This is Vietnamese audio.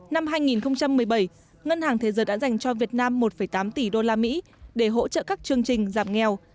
năm hai nghìn một mươi bảy ngân hàng thế giới đã dành cho việt nam một tám tỷ đô la mỹ để hỗ trợ các chương trình giảm nghèo